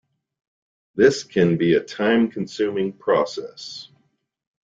This can be a time-consuming process.